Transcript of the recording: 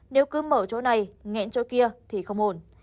nếu cứ mở chỗ này nghẹn chỗ kia thì không ổn